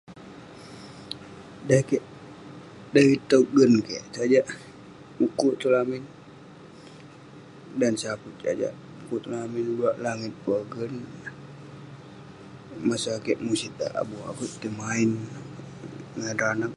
Dan kek, dan tot gen kek sajak mukuk tong lamin. Dan saput sajak mukuk tong lamin, beluak langit pogen. Masa kik musit dak, abu akouk tai main ngan ireh anag.